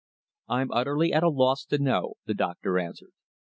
"I'm utterly at a loss to know," the doctor answered.